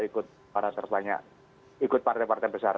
ikut para terbanyak ikut partai partai besar